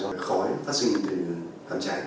do khói phát sinh từ cháy